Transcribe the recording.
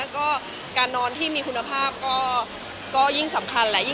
ก็การนอนที่มีคุณภาพก็ยิ่งสำคัญแหละ